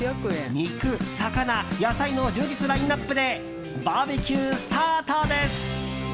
肉、魚、野菜の充実ラインアップでバーベキュースタートです。